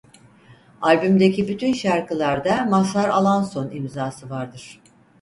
Albümdeki bütün şarkılarda Mazhar Alanson imzası vardır.